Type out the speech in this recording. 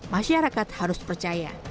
masyarakat harus percaya